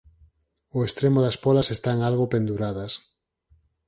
O extremo das pólas están algo penduradas.